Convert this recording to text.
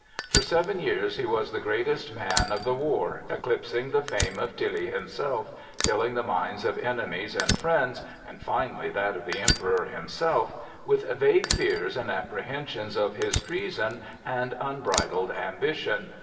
For seven years he was the greatest man of the war, eclipsing the fame of Tilly himself, filling the minds of enemies and friends, and finally that of the Emperor himself, with vague fears and apprehensions of his treason and unbridled ambition.